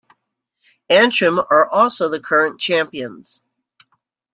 Antrim are also the current champions.